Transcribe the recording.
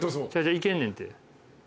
いけんねんて。